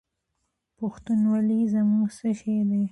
پښتونولي زموږ څه شی دی؟